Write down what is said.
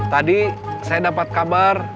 tadi saya dapet kabar